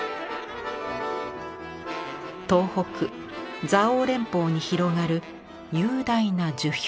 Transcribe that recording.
東北蔵王連峰に広がる雄大な樹氷。